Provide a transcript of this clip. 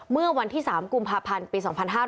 เมื่อวันที่๓กุมภาพันธ์ปี๒๕๕๙